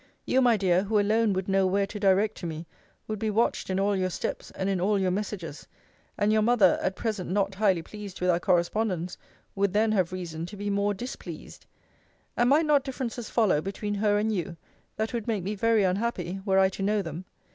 You, my dear, who alone would know where to direct to me, would be watched in all your steps, and in all your messages; and your mother, at present not highly pleased with our correspondence, would then have reason to be more displeased: And might not differences follow between her and you, that would make me very unhappy, were I to know them?